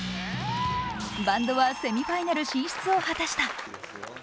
バンドはセミファイナル進出を果たした。